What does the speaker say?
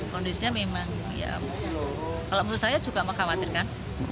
kondisinya memang ya kalau menurut saya juga mengkhawatirkan